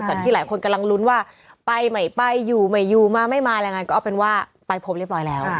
ที่หลายคนกำลังลุ้นว่าไปใหม่ไปอยู่ไม่อยู่มาไม่มาแรงงานก็เอาเป็นว่าไปพบเรียบร้อยแล้ว